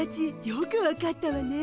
よく分かったわね。